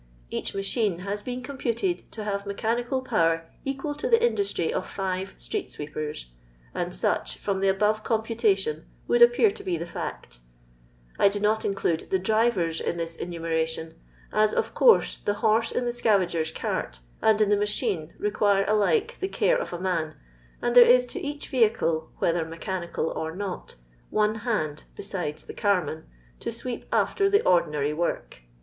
Bach machine has been computed to have mechanical power equal to the industry of five street sweepers ; and such, firom the above eompnta tion, would appear to be tiie fact I do not include the drivers in this enumemtion, as of course the horse in the scavagersT .cart, and in the machhM require alike the care of a man, and there ia to each vehicle (whether mechanical or not) one hand (besides the camian) to sweep after the ordinary work.